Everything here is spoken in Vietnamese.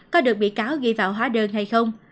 có được bị cáo ghi vào hóa đơn hay không